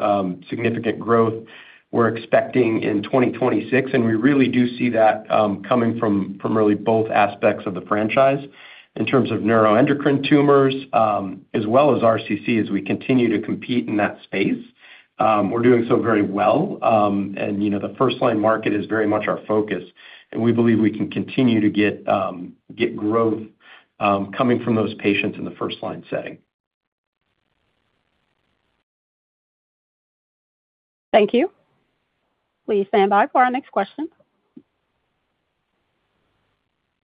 significant growth we're expecting in 2026, and we really do see that coming from really both aspects of the franchise. In terms of neuroendocrine tumors, as well as RCC, as we continue to compete in that space, we're doing so very well. And, you know, the first-line market is very much our focus, and we believe we can continue to get growth coming from those patients in the first-line setting. Thank you. Please stand by for our next question.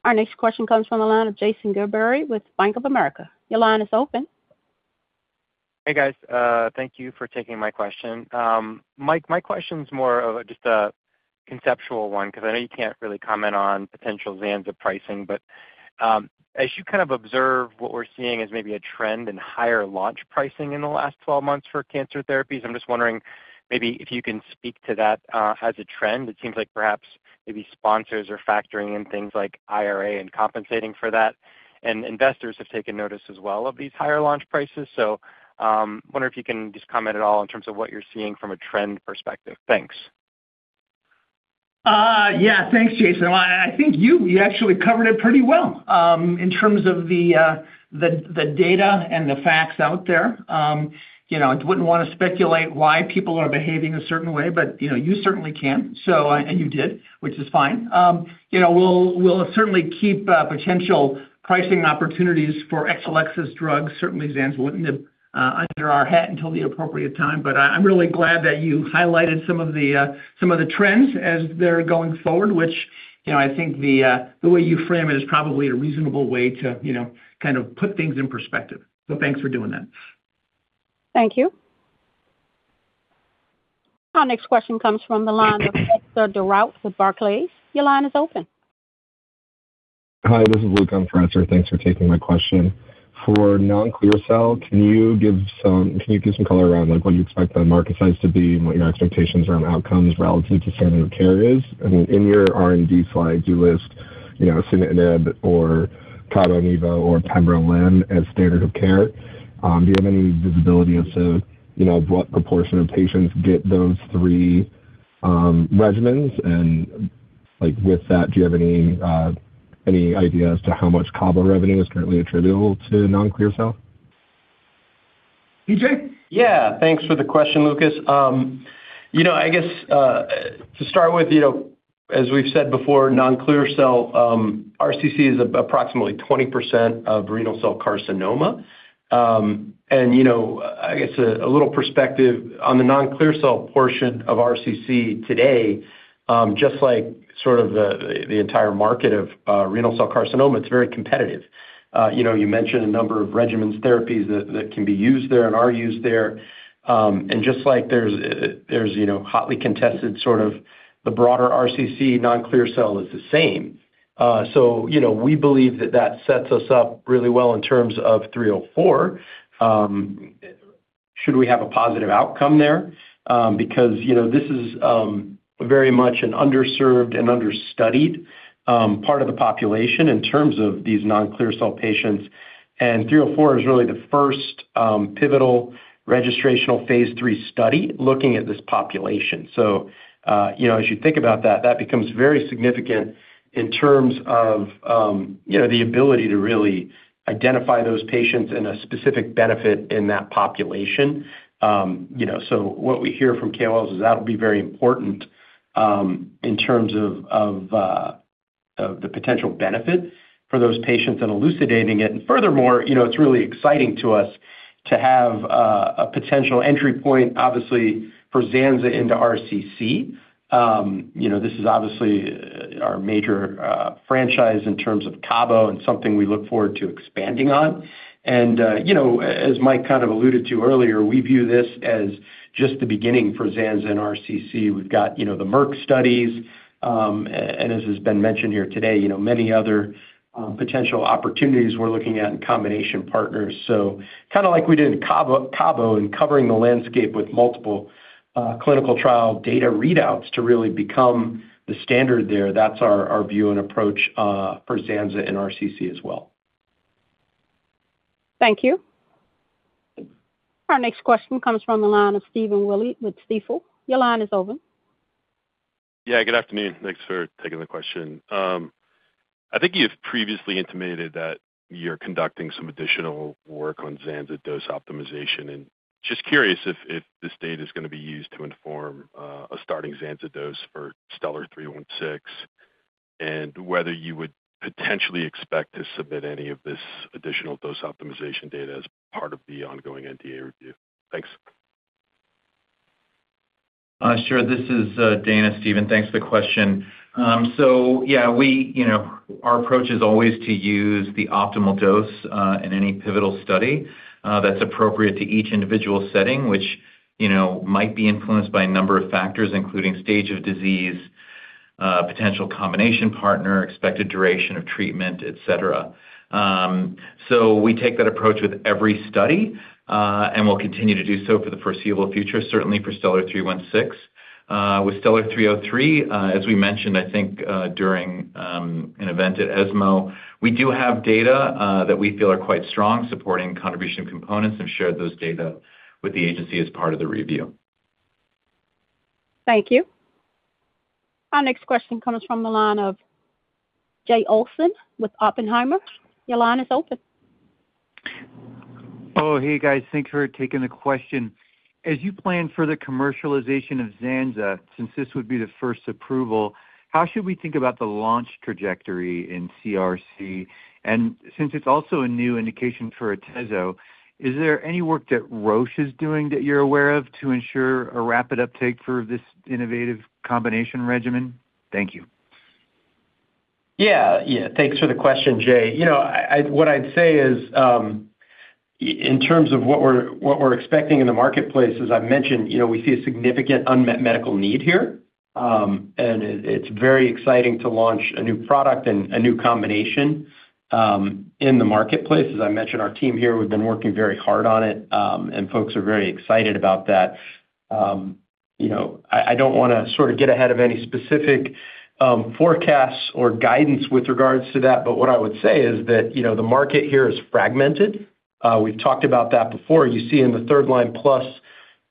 Our next question comes from the line of Jason Gerberry with Bank of America. Your line is open. Hey, guys. Thank you for taking my question. Mike, my question's more of a just a conceptual one, 'cause I know you can't really comment on potential zanzalintinib pricing. But as you kind of observe, what we're seeing is maybe a trend in higher launch pricing in the last 12 months for cancer therapies. I'm just wondering maybe if you can speak to that as a trend. It seems like perhaps maybe sponsors are factoring in things like IRA and compensating for that, and investors have taken notice as well of these higher launch prices. So, wondering if you can just comment at all in terms of what you're seeing from a trend perspective. Thanks. Yeah. Thanks, Jason. Well, I think you actually covered it pretty well in terms of the data and the facts out there. You know, I wouldn't want to speculate why people are behaving a certain way, but, you know, you certainly can. So, and you did, which is fine. You know, we'll certainly keep potential pricing opportunities for Exelixis drugs, certainly zanzalintinib, under our hat until the appropriate time. But I'm really glad that you highlighted some of the trends as they're going forward, which, you know, I think the way you frame it is probably a reasonable way to, you know, kind of put things in perspective. So thanks for doing that. Thank you. Our next question comes from the line of Etzer Darout with BMO Capital Markets. Your line is open. Hi, this is Luke Shumway. Thanks for taking my question. For non-clear cell, can you give some color around, like, what you expect the market size to be and what your expectations around outcomes relative to standard of care is? I mean, in your R&D slides, you list, you know, axitinib or Cabo-Nivo or pembrolizumab as standard of care. Do you have any visibility as to, you know, what proportion of patients get those three regimens? And, like, with that, do you have any any idea as to how much CABO revenue is currently attributable to non-clear cell? PJ? Yeah, thanks for the question, Luke. You know, to start with, you know, as we've said before, non-clear cell RCC is approximately 20% of renal cell carcinoma. And, you know, I guess a little perspective on the non-clear cell portion of RCC today, just like sort of the entire market of renal cell carcinoma, it's very competitive. You know, you mentioned a number of regimens, therapies that can be used there and are used there. And just like there's, you know, hotly contested, sort of the broader RCC, non-clear cell is the same. So, you know, we believe that that sets us up really well in terms of 304, should we have a positive outcome there? Because, you know, this is very much an underserved and understudied part of the population in terms of these non-clear cell patients. And 304 is really the first pivotal registrational phase III study looking at this population. So, you know, as you think about that, that becomes very significant in terms of, you know, the ability to really identify those patients and a specific benefit in that population. You know, so what we hear from KOLs is that will be very important in terms of the potential benefit for those patients and elucidating it. And furthermore, you know, it's really exciting to us to have a potential entry point, obviously, for zanzalintinib into RCC. You know, this is obviously our major franchise in terms of CABO and something we look forward to expanding on. And, you know, as Mike kind of alluded to earlier, we view this as just the beginning for zanzalintinib and RCC. We've got, you know, the Merck studies, and as has been mentioned here today, you know, many other, potential opportunities we're looking at in combination partners. So kind of like we did in CABO, CABO, in covering the landscape with multiple, clinical trial data readouts to really become the standard there. That's our view and approach, for zanzalintinib and RCC as well. Thank you. Our next question comes from the line of Stephen Willey with Stifel. Your line is open. Yeah, good afternoon. Thanks for taking the question. I think you've previously intimated that you're conducting some additional work on zanzalintinib dose optimization, and just curious if this data is gonna be used to inform a starting zanzalintinib dose for STELLAR-316?... and whether you would potentially expect to submit any of this additional dose optimization data as part of the ongoing NDA review? Thanks. Sure. This is Dana, Stephen. Thanks for the question. So yeah, we, you know, our approach is always to use the optimal dose in any pivotal study that's appropriate to each individual setting, which, you know, might be influenced by a number of factors, including stage of disease, potential combination partner, expected duration of treatment, et cetera. So we take that approach with every study, and we'll continue to do so for the foreseeable future, certainly for STELLAR-316. With STELLAR-303, as we mentioned, I think, during an event at ESMO, we do have data that we feel are quite strong, supporting contribution of components, and shared those data with the agency as part of the review. Thank you. Our next question comes from the line of Jay Olson with Oppenheimer. Your line is open. Oh, hey, guys. Thanks for taking the question. As you plan for the commercialization of Zanza, since this would be the first approval, how should we think about the launch trajectory in CRC? And since it's also a new indication for atezolizumab, is there any work that Roche is doing that you're aware of to ensure a rapid uptake for this innovative combination regimen? Thank you. Yeah. Yeah, thanks for the question, Jay. You know, I what I'd say is, in terms of what we're expecting in the marketplace, as I've mentioned, you know, we see a significant unmet medical need here, and it's very exciting to launch a new product and a new combination in the marketplace. As I mentioned, our team here, we've been working very hard on it, and folks are very excited about that. You know, I don't wanna sort of get ahead of any specific forecasts or guidance with regards to that, but what I would say is that, you know, the market here is fragmented. We've talked about that before. You see in the third-line plus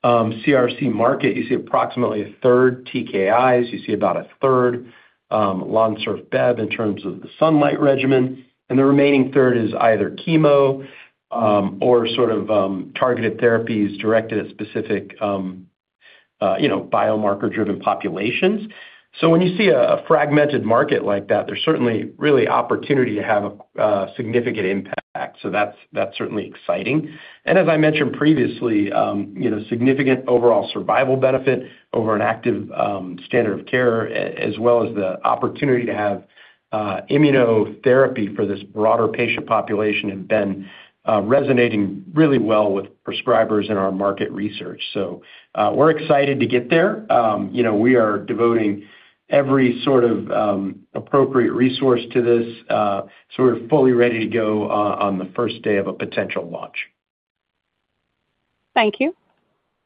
CRC market, you see approximately a third TKIs, you see about a third Lonsurf Bev in terms of the Lonsurf regimen, and the remaining third is either chemo or sort of targeted therapies directed at specific, you know, biomarker-driven populations. So when you see a fragmented market like that, there's certainly real opportunity to have a significant impact. So that's, that's certainly exciting. And as I mentioned previously, you know, significant overall survival benefit over an active standard of care as well as the opportunity to have immunotherapy for this broader patient population have been resonating really well with prescribers in our market research. So, we're excited to get there. You know, we are devoting every sort of appropriate resource to this, so we're fully ready to go on the first day of a potential launch. Thank you.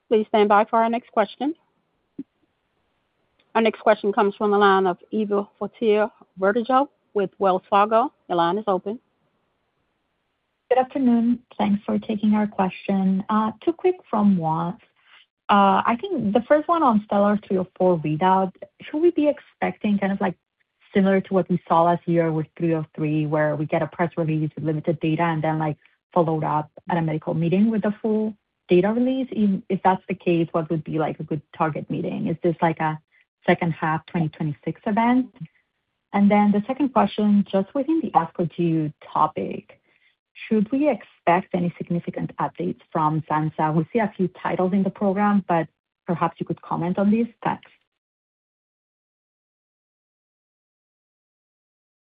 Please stand by for our next question. Our next question comes from the line of Eva Fortea-Verdejo with Wells Fargo Securities. Your line is open. Good afternoon. Thanks for taking our question. Two quick ones. I think the first one on STELLAR-304 readout, should we be expecting kind of like similar to what we saw last year with STELLAR-303, where we get a press release with limited data and then, like, followed up at a medical meeting with the full data release? If, if that's the case, what would be, like, a good target meeting? Is this like a second half 2026 event? And then the second question, just within the ASCO GU topic, should we expect any significant updates from Zanza? We see a few titles in the program, but perhaps you could comment on these. Thanks.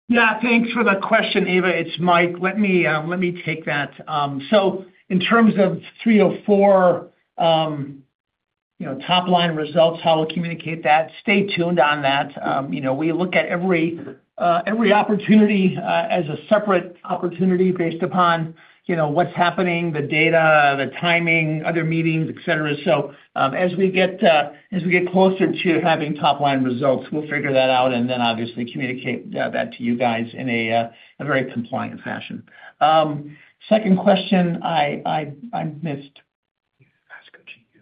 Yeah, thanks for the question, Eva. It's Mike. Let me take that. So in terms of 304, you know, top-line results, how we'll communicate that, stay tuned on that. You know, we look at every opportunity as a separate opportunity based upon, you know, what's happening, the data, the timing, other meetings, et cetera. So, as we get closer to having top-line results, we'll figure that out and then obviously communicate that to you guys in a very compliant fashion. Second question, I missed.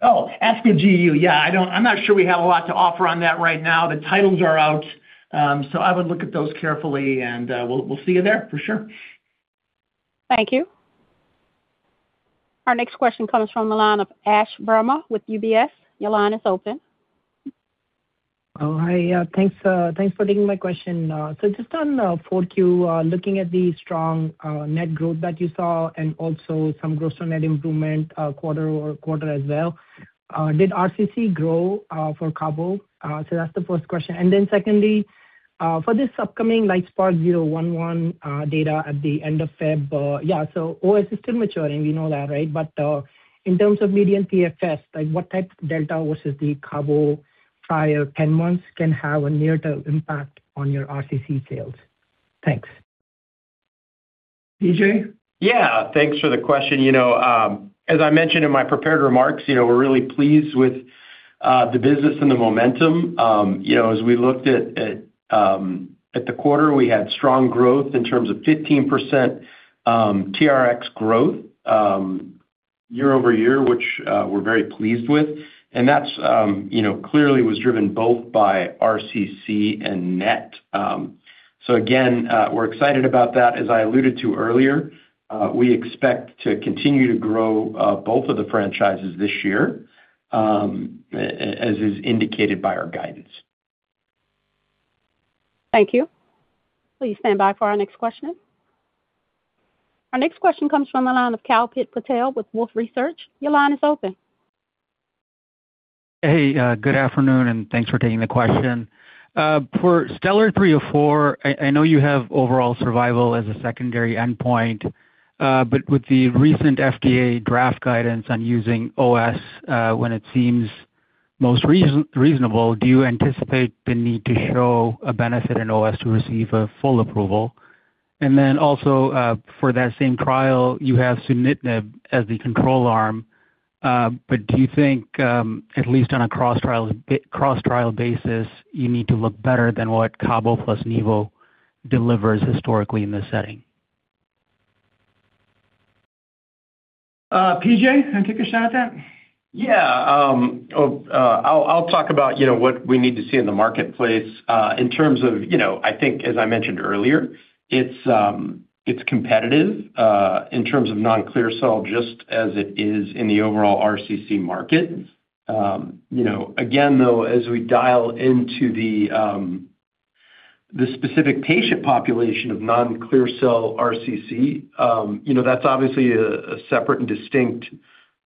ASCOGU. Oh, ASCOGU. Yeah, I don't. I'm not sure we have a lot to offer on that right now. The titles are out, so I would look at those carefully, and we'll see you there for sure. Thank you. Our next question comes from the line of Ashwani Verma with UBS. Your line is open. Oh, hi. Thanks for taking my question. So just on Q4, looking at the strong net growth that you saw and also some gross-to-net improvement quarter-over-quarter as well, did RCC grow for Cabo? So that's the first question. And then secondly, for this upcoming LITESPARK-011 data at the end of February, yeah, so OS is still maturing, we know that, right? But in terms of median PFS, like, what type of delta versus the Cabo prior 10 months can have a near-term impact on your RCC sales? Thanks. DJ? Yeah, thanks for the question. You know, as I mentioned in my prepared remarks, you know, we're really pleased with the business and the momentum. You know, as we looked at the quarter, we had strong growth in terms of 15% TRX growth year-over-year, which we're very pleased with. And that's, you know, clearly was driven both by RCC and NET. So again, we're excited about that. As I alluded to earlier, we expect to continue to grow both of the franchises this year, as is indicated by our guidance. Thank you. Please stand by for our next question. Our next question comes from the line of Kalpit Patel with Wolfe Research. Your line is open. Hey, good afternoon, and thanks for taking the question. For STELLAR-303 or STELLAR-304, I know you have overall survival as a secondary endpoint, but with the recent FDA draft guidance on using OS, when it seems most reasonable, do you anticipate the need to show a benefit in OS to receive a full approval? And then also, for that same trial, you have sunitinib as the control arm. But do you think, at least on a cross-trial basis, you need to look better than what CABO plus Nivo delivers historically in this setting? P.J., want to take a shot at that? Yeah, I'll talk about, you know, what we need to see in the marketplace, in terms of, you know, I think as I mentioned earlier, it's competitive, in terms of non-clear cell, just as it is in the overall RCC market. You know, again, though, as we dial into the specific patient population of non-clear cell RCC, you know, that's obviously a separate and distinct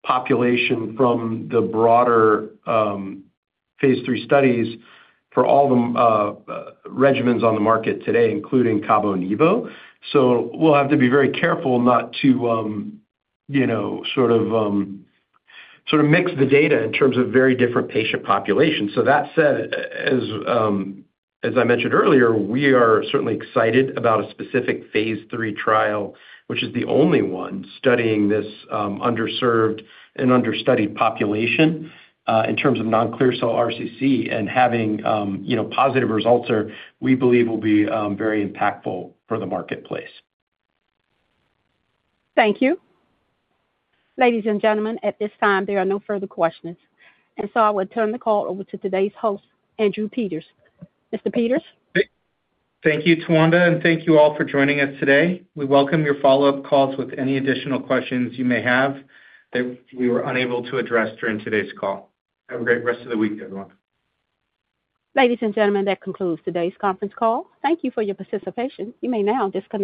population from the broader phase III studies for all the regimens on the market today, including CABO and Nivo. So we'll have to be very careful not to, you know, sort of mix the data in terms of very different patient populations. So that said, as I mentioned earlier, we are certainly excited about a specific phase III trial, which is the only one studying this underserved and understudied population in terms of non-clear cell RCC and having, you know, positive results are, we believe will be very impactful for the marketplace. Thank you. Ladies and gentlemen, at this time, there are no further questions, and so I will turn the call over to today's host, Andrew Peters. Mr. Peters? Thank you, Tawanda, and thank you all for joining us today. We welcome your follow-up calls with any additional questions you may have that we were unable to address during today's call. Have a great rest of the week, everyone. Ladies and gentlemen, that concludes today's Conference Call. Thank you for your participation. You may now disconnect.